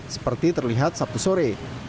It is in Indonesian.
seperti terlihat sabtu sore